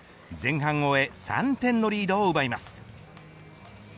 前半を終え３点のリードを奪います。